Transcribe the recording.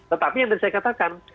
tetapi yang tadi saya katakan